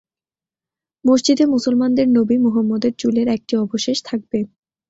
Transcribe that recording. মসজিদে মুসলমানদের নবী মুহাম্মদের চুলের একটি অবশেষ থাকবে।